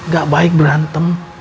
gak baik berantem